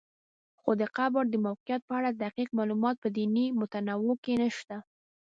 خو د قبر د موقعیت په اړه دقیق معلومات په دیني متونو کې نشته.